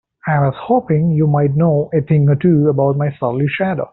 I was hoping you might know a thing or two about my surly shadow?